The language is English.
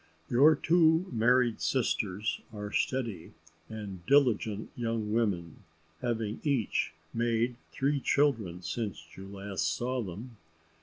"Your two married sisters are steady and diligent young women, having each made three children since you last saw them.